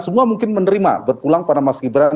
semua mungkin menerima berpulang pada mas gibran